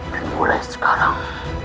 dan mulai sekarang